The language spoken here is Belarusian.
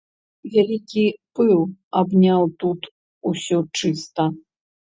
Вялікі пыл абняў тут усё чыста.